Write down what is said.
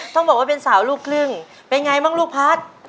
ต้องบอกว่าเป็นสาวลูกครึ่งเป็นไงบ้างลูกพัฒน์